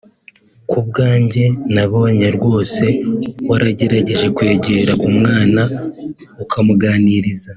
Ku bwanjye nabonye rwose waragerageje kwegera umwana ukamuganiriza